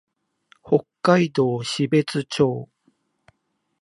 北海道標津町